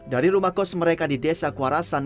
dari rumah kos mereka di desa kuarasan